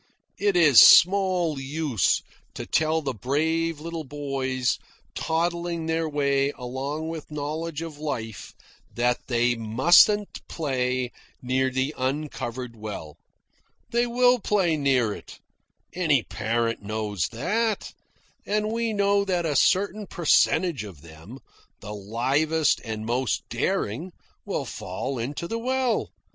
It is small use to tell the brave little boys toddling their way along into knowledge of life that they mustn't play near the uncovered well. They'll play near it. Any parent knows that. And we know that a certain percentage of them, the livest and most daring, will fall into the well.